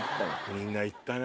みんな行ったな。